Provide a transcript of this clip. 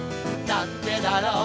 なんでだろう